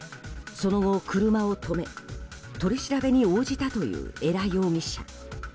その後、車を止め取り調べに応じたという恵良容疑者。